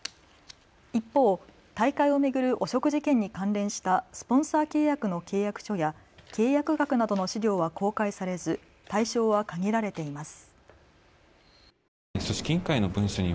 一方、大会を巡る汚職事件に関連したスポンサー契約の契約書や契約額などの資料は公開されず対象は限られています。